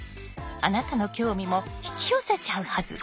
あなたの興味も引き寄せちゃうはず。